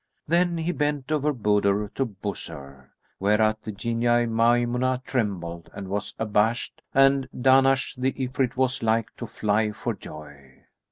Then he bent over Budur to buss her, whereat the Jinniyah Maymunah trembled and was abashed and Dahnash, the Ifrit, was like to fly for joy.